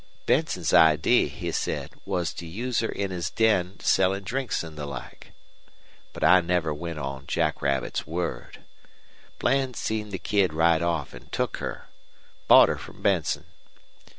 Benson's idee, he said, was to use her in his den sellin' drinks an' the like. But I never went much on Jackrabbit's word. Bland seen the kid right off and took her bought her from Benson.